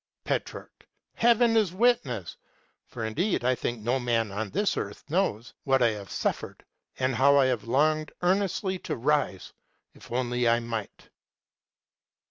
Petrarch. Heaven is witness (for indeed I think no man on this earth knows) what I have suffered, and how I have longed earnestly to rise, if only I might.